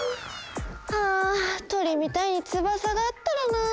ああとりみたいにつばさがあったらなあ。